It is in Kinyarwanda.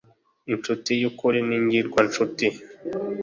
Incuti y’ukuri n’ingirwancuti